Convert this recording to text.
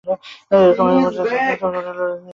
এরকম মোট চারটি বাহু রয়েছে।